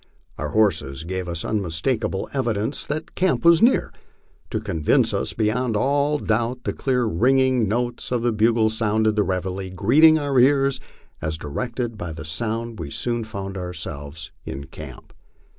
Our horses gave us unmistakable evidence that camp was near. To convince us beyond all doubt, the clear ringing notes of the bugle sounding the reveille greeted our ears, and directed by the sound we soon found ourselves in camp.